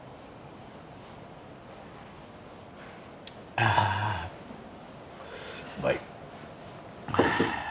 あうまい。